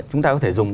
chúng ta có thể dùng